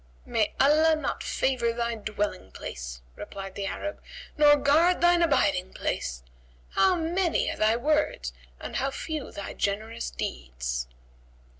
"May Allah not favour thy dwelling place," replied the Arab, "nor guard thine abiding place! How many are thy words and how few thy generous deeds!"